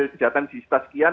hasil kesehatan disifat sekian